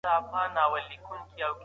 که کورنۍ ملاتړ وکړي، ماشوم نه یوازې کېږي.